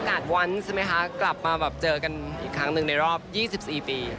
วันใช่ไหมคะกลับมาแบบเจอกันอีกครั้งหนึ่งในรอบ๒๔ปี